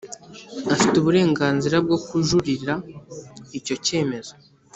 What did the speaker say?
Afite uburenganzira bwo kujuririra icyo cyemezo